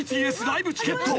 ［ＢＴＳライブチケット。